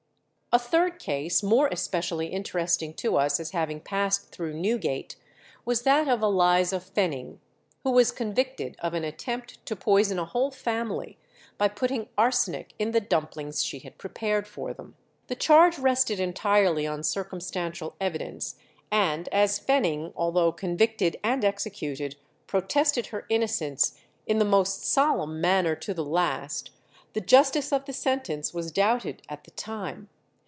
A third case, more especially interesting to us as having passed through Newgate, was that of Eliza Fenning, who was convicted of an attempt to poison a whole family by putting arsenic in the dumplings she had prepared for them. The charge rested entirely on circumstantial evidence, and as Fenning, although convicted and executed, protested her innocence in the most solemn manner to the last, the justice of the sentence was doubted at the time.